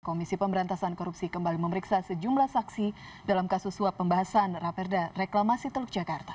komisi pemberantasan korupsi kembali memeriksa sejumlah saksi dalam kasus suap pembahasan raperda reklamasi teluk jakarta